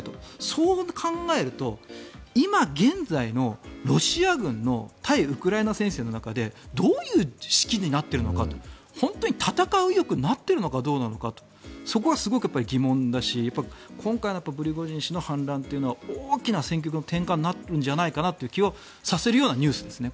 そう考えると今現在のロシア軍の対ウクライナ戦線の中でどういう指揮になっているのかと本当に戦う意欲になっているのかをそこがすごく疑問だし今回のプリゴジン氏の反乱というのは大きな戦局の転換になるんじゃないかという気にさせるニュースですね。